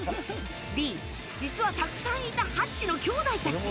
Ｂ、実はたくさんいたハッチの兄弟たち。